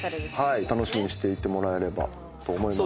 はい楽しみにしていてもらえればと思います。